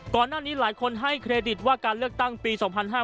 ก่อนหน้านี้หลายคนให้เครดิตว่าการเลือกตั้งปี๒๕๕๙